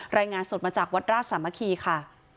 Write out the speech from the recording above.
รายงานสดมาจากวัดราชสามัคคีค่ะ